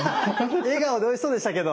笑顔でおいしそうでしたけど。